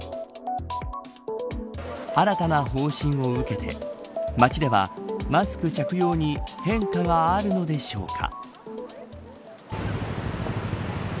新たな方針を受けて街ではマスク着用に変化があるのでしょうか。